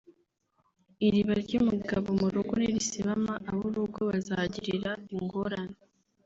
Iriba ry’umugabo mu rugo nirisibama ab’urugo bazahagirira ingorane